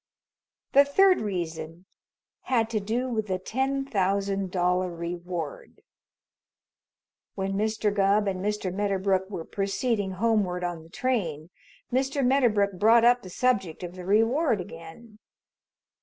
The third reason had to do with the ten thousand dollar reward. When Mr. Gubb and Mr. Medderbrook were proceeding homeward on the train, Mr. Medderbrook brought up the subject of the reward again.